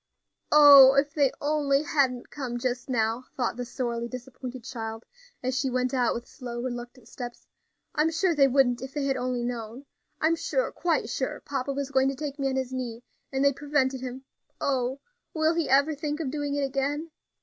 "Oh! if they only hadn't come just now," thought the sorely disappointed child, as she went out with slow, reluctant steps. "I'm sure they wouldn't, if they had only known. I'm sure, quite sure papa was going to take me on his knee, and they prevented him. Oh! will be ever think of doing it again!